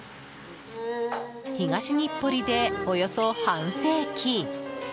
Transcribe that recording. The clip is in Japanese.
東日暮里で、およそ半世紀。